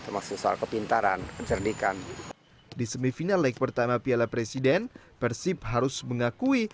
termasuk soal kepintaran kecernikan di semifinal leg pertama piala presiden persib harus mengakui